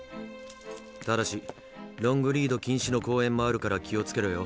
ただしロングリード禁止の公園もあるから気を付けろよ。